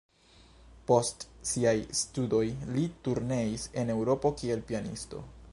Post siaj studoj li turneis en Eŭropo kiel pianisto.